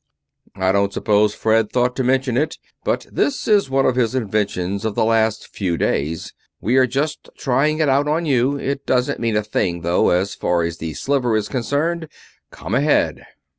"I don't suppose Fred thought to mention it, but this is one of his inventions of the last few days. We are just trying it out on you. It doesn't mean a thing though, as far as the Sliver is concerned. Come ahead!"